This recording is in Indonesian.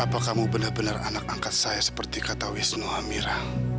apa kamu benar benar anak angkat saya seperti kata wisnu amira